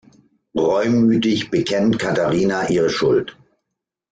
Reumütig bekennt Katharina ihre Schuld.